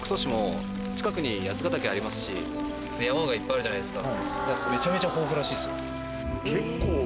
ありますし山がいっぱいあるじゃないですか。